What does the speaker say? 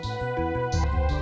tidak bisa diandalkan